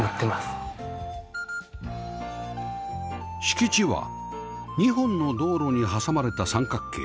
敷地は２本の道路に挟まれた三角形